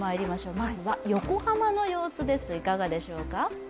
まずは横浜の様子です。